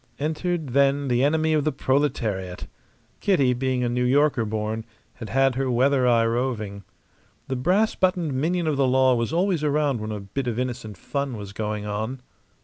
Entered then the enemy of the proletariat. Kitty, being a New Yorker born, had had her weather eye roving. The brass buttoned minion of the law was always around when a bit of innocent fun was going on.